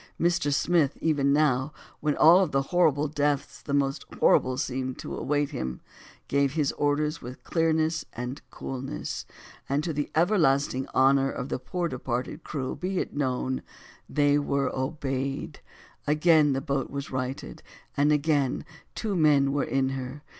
Mr. Smith, even now, when of all horrible deaths the most horrible seemed to await him, gave his orders with clearness and coolness; and to the everlasting honor of the poor departed crew be it known, they were obeyed; again the boat was righted, and again two men were in her.